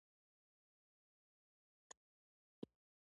د افغانستان د علومو اکاډيمۍ نسخه د ع په نخښه ښوول کېږي.